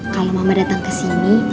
kalau mama datang kesini